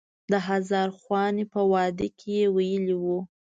د هزار خوانې په واده کې یې ویلی و.